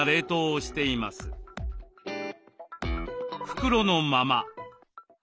袋のまま。